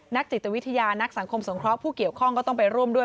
จิตวิทยานักสังคมสงเคราะห์ผู้เกี่ยวข้องก็ต้องไปร่วมด้วย